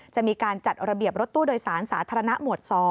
จะมีการจัดระเบียบรถตู้โดยสารสาธารณะหมวด๒